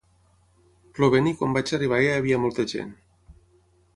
Plovent i quan vaig arribar ja hi havia molta gent.